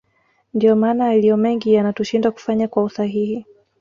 Ndio maana yaliyomengi yanatushinda kufanya kwa usahihi